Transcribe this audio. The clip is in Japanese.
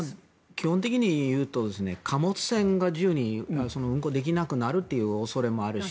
基本的に言うと貨物船が自由に運航できなくなるという恐れもあるし